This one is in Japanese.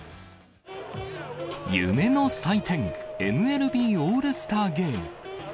夢の祭典、ＭＬＢオールスターゲーム。